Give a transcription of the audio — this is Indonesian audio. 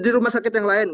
di rumah sakit yang lain